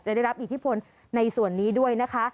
ได้รับอิทธิพลในส่วนนี้ด้วยนะคะ